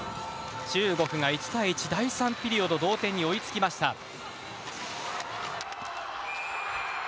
中国が１対１第３ピリオド同点に追いつきました。